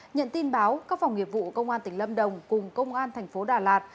nhận tin báo các phòng nghiệp vụ công an tỉnh lâm đồng cùng công an thành phố đà lạt